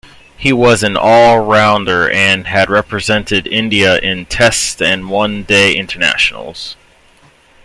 He was an all-rounder and had represented India in Tests and One Day Internationals.